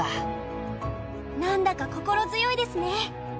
なんだか心強いですね！